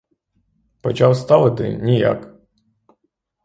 Почав ставити — ніяк.